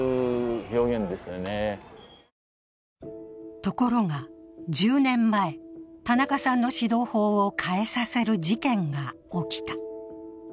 ところが１０年前、田中さんの指導法を変させる事件が起きた。